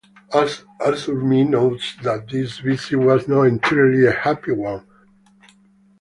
Arthur Mee notes that this visit was not entirely a happy one.